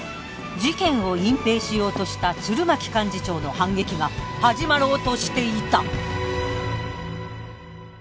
事件を隠蔽しようとした鶴巻幹事長の反撃が始まろうとしていた。